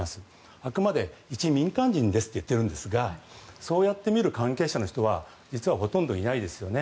あくまで一民間人ですと言っているんですがそうやってみる関係者の人は実はほとんどいないですよね。